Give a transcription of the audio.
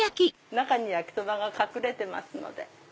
中に焼きそばが隠れてますので。